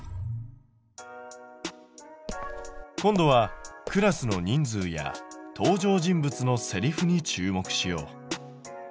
今度はクラスの人数や登場人物のセリフに注目しよう。